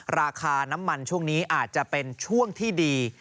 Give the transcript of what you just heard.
ราคาน้ำมันช่วงนี้อาจจะเป็นช่วงที่ดี